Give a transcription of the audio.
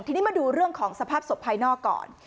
ทีนี้มาดูเรื่องของสภาพศพภายนอกก่อน